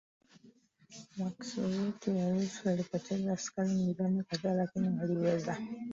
wa Kisovyeti Warusi walipoteza askari milioni kadhaa lakini waliweza